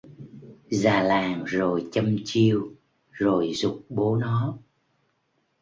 Già làng rồi chăm chiêu rồi giục bố nó